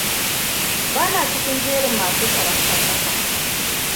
Bana cikin jerin masu tsoron karnuka.